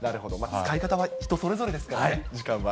使い方は人それぞれですからね、時間は。